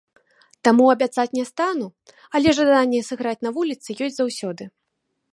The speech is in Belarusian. Таму абяцаць не стану, але жаданне сыграць на вуліцы ёсць заўсёды.